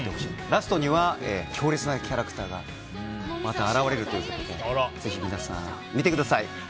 ラストには強烈なキャラクターが現れるということでぜひ、皆さん見てください。